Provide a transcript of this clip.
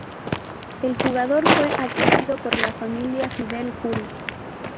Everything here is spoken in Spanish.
El Jugador fue adquirido por la familia Fidel Kuri.